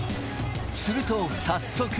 すると、早速。